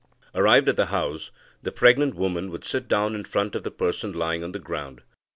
Arrived at the house, the pregnant woman would sit down in front of the person lying on the ground.